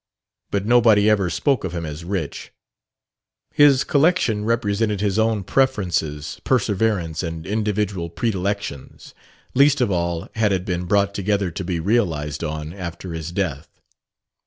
But nobody ever spoke of him as rich. His collection represented his own preferences, perseverance and individual predilections. Least of all had it been brought together to be "realized on" after his death.